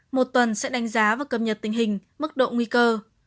một tuần sẽ đánh giá và cập nhật tình hình mức độ nguy cơ